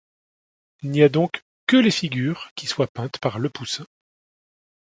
Il n'y a donc que les figures qui soient peintes par le Poussin.